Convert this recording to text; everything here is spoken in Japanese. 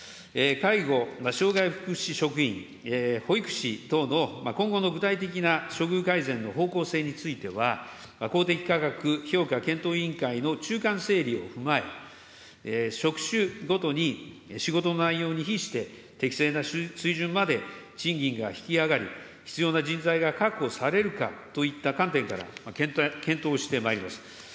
介護、障害福祉職員、保育士等の今後の具体的な処遇改善の方向性については、公的価格評価検討委員会の中間整備を踏まえ、職種ごとに仕事の内容に比して適正な賃金まで賃金が引き上がり、必要な人材が確保されるかといった観点から、検討してまいります。